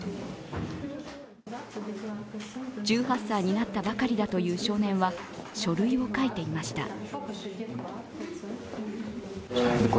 １８歳になったばかりだという少年は、書類を書いていました。